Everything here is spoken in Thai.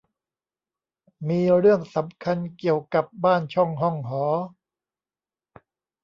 มีเรื่องสำคัญเกี่ยวกับบ้านช่องห้องหอ